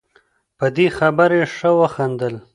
په دې خبره یې ښه وخندل.